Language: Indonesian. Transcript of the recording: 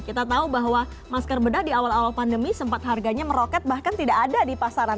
kita tahu bahwa masker bedah di awal awal pandemi sempat harganya meroket bahkan tidak ada di pasaran